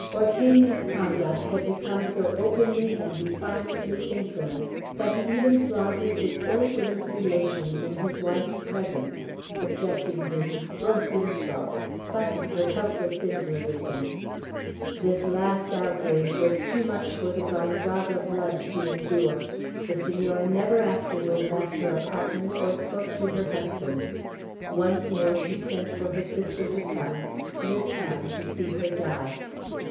Ortegna's conduct had become so openly and defiantly infamous, that he even flaunted his illegitimate relations in his wife's presence; subjecting her to gross insults, spite of her helpless invalidism. This last outrage was too much for the Gonzaga blood to endure; the Senora never afterward left her apartment, or spoke to her husband. Once more she sent for her sister to come; this time, to see her die.